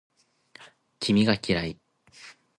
君が嫌い